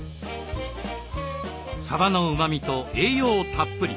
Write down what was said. さばのうまみと栄養たっぷり。